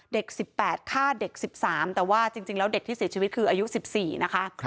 เด็ก๑๘ฆ่าเด็ก๑๓แต่ว่าจริงแล้วเด็กที่เสียชีวิตคืออายุ๑๔นะคะ